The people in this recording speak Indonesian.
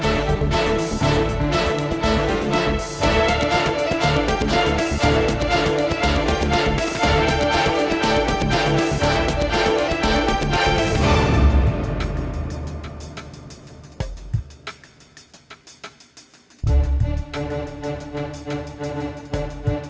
nah juga seperti ini